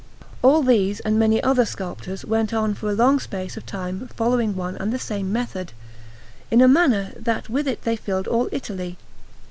All these and many other sculptors went on for a long space of time following one and the same method, in a manner that with it they filled all Italy.